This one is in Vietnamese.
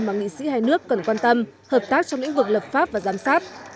mà nghị sĩ hai nước cần quan tâm hợp tác trong lĩnh vực lập pháp và giám sát